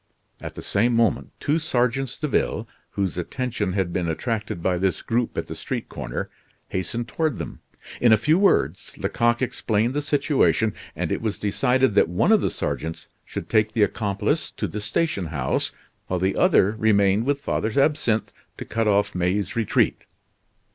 At the same moment, two sergeants de ville, whose attention had been attracted by this group at the street corner, hastened toward them. In a few words, Lecoq explained the situation, and it was decided that one of the sergeants should take the accomplice to the station house, while the other remained with Father Absinthe to cut off May's retreat.